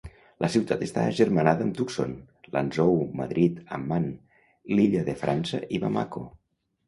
La ciutat està agermanada amb Tucson, Lanzhou, Madrid, Amman, l'Illa de França i Bamako.